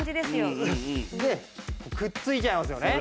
くっついちゃいますよね？